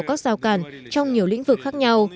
các rào cản trong nhiều lĩnh vực khác nhau